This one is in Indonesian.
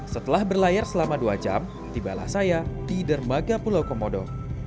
setelah berlayar selama dua jam tibalah saya di dermaga pulau komodo